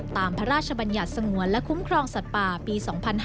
พระราชบัญญัติสงวนและคุ้มครองสัตว์ป่าปี๒๕๕๙